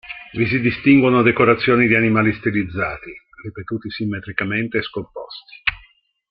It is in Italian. Vi si distinguono decorazioni di animali stilizzati, ripetuti simmetricamente e scomposti.